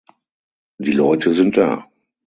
Die Leute sind da.